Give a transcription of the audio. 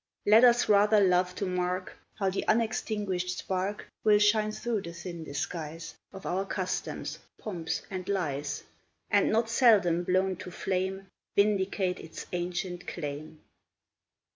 Let us rather love to mark How the unextinguished spark Will shine through the thin disguise Of our customs, pomps, and lies, And, not seldom blown to flame, Vindicate its ancient claim.